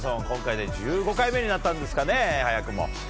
今回で１５回目になったんですね、早くも。